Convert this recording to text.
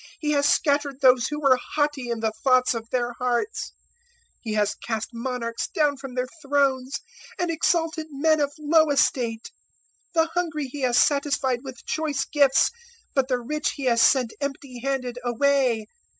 He has scattered those who were haughty in the thoughts of their hearts. 001:052 He has cast monarchs down from their thrones, And exalted men of low estate. 001:053 The hungry He has satisfied with choice gifts, But the rich He has sent empty handed away.